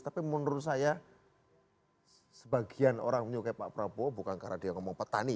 tapi menurut saya sebagian orang menyukai pak prabowo bukan karena dia ngomong petani